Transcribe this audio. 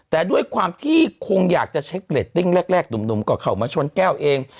แต่ด้วยความที่คงอยากจะเช็คเรตติ้งแรกหนุ่มก็เข้ามาชนแก้วเอง